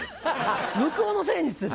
向こうのせいにする。